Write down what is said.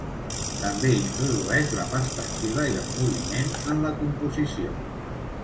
També introdueix la perspectiva i el moviment en la composició.